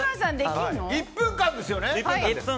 １分間ですよね。